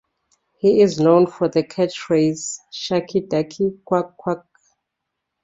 He is known for the catchphrase Shucky Ducky Quack Quack.